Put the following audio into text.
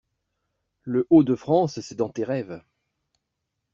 Le-Haut-de-France c’est dans tes rêves.